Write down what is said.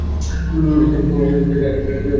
চীনের চারটি বৃহৎ প্রাচীন রাজধানীর মধ্যে এটি প্রাচীনতম।